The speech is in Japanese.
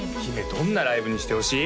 どんなライブにしてほしい？